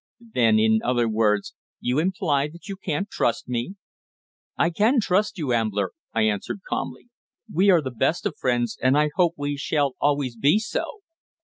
"Then, in other words, you imply that you can't trust me?" "I can trust you, Ambler," I answered calmly. "We are the best of friends, and I hope we shall always be so.